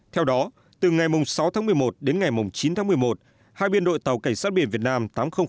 theo đó từ ngày sáu tháng một mươi một đến ngày chín tháng một mươi một hai biên đội tàu cảnh sát biển việt nam